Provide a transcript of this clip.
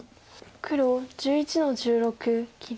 黒１１の十六切り。